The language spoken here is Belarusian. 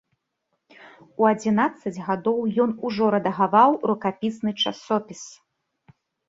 У адзінаццаць гадоў ён ужо рэдагаваў рукапісны часопіс.